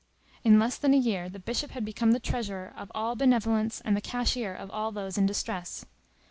In less than a year the Bishop had become the treasurer of all benevolence and the cashier of all those in distress.